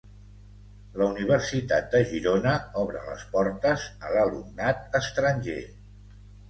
La Universitat de Girona obre les portes a l'alumnat estranger.